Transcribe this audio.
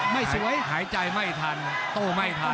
ไม่สวยหายใจไม่ทันโต้ไม่ทัน